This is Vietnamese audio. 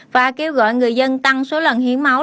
và kêu gọi người dân tăng số lần hiến máu